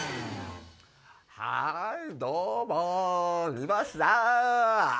はいどうも！来ました。